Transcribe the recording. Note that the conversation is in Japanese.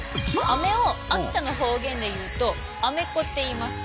アメを秋田の方言で言うと「アメッコ」って言います。